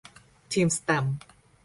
ทีมแสตมป์